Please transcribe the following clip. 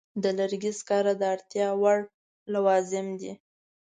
د لرګي سکاره د اړتیا وړ لوازم دي.